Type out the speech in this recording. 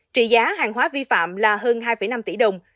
trị giá hàng hóa vi phạm là hơn hai năm tỷ đồng